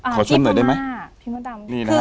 ขอชมหน่อยได้ไหม